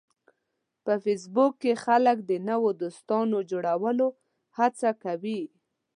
په فېسبوک کې خلک د نوو دوستانو جوړولو هڅه کوي